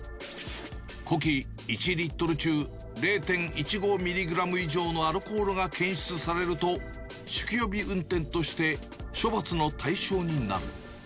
呼気１リットル中０．１５ミリグラム以上のアルコールが検出されると、酒気帯び運転として、処罰の対象になる。